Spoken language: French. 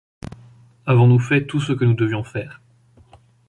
avons-nous fait tout ce que nous devions faire ?